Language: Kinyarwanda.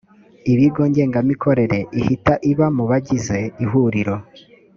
ibigo ngengamikorere ihita iba mu bagize ihuriro